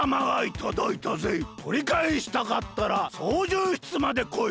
とりかえしたかったらそうじゅう室までこい！